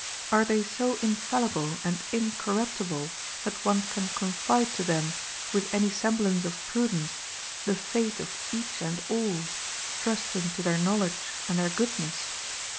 Are they so infallible and incorruptible that one can confide to them, with any semblance of prudence, the fate of each and all, trusting to their knowledge and their goodness?